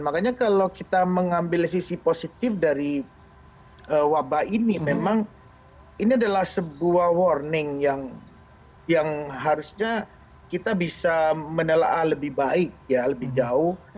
makanya kalau kita mengambil sisi positif dari wabah ini memang ini adalah sebuah warning yang harusnya kita bisa menelaah lebih baik ya lebih jauh